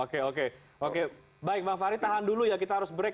oke oke baik bang fahri tahan dulu ya kita harus break